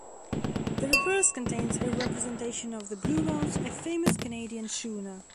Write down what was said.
The reverse contains a representation of the "Bluenose", a famous Canadian schooner.